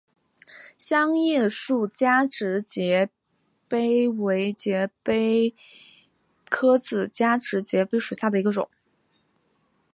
香叶树加植节蜱为节蜱科子加植节蜱属下的一个种。